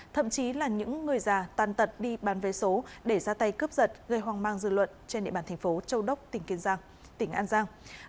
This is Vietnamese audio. thậm chí là những người già tàn tật đi bán vé số để ra tay cướp giật gây hoang mang dư luận trên địa bàn tp châu đốc tỉnh an giang